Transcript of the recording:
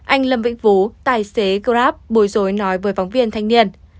anh lâm vĩnh vũ tài xế grab buổi rối nói với phóng viên thanh niên